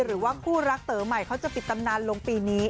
หรือว่าคู่รักเต๋อใหม่เขาจะปิดตำนานลงปีนี้